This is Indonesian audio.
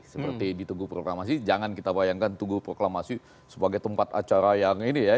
seperti di tugu proklamasi jangan kita bayangkan tugu proklamasi sebagai tempat acara yang ini ya